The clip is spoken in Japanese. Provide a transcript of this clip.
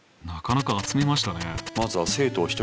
なかなか集めましたね。